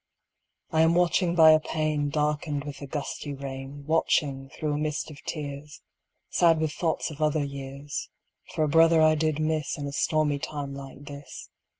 I am watching by a pane Darkened with the gusty rain, Watching, through a mist of tears, Sad with thoughts of other years, For a brother I did miss In a stormy time like this.